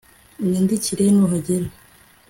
Unyandikire nuhagera